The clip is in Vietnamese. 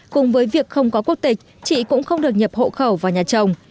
cùng với việc không có quốc tịch chị cũng không được nhập hộ khẩu vào nhà chồng